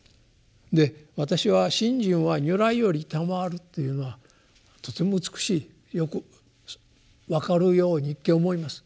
私は「信心は如来よりたまわる」というのはとても美しいよく分かるように一見思います。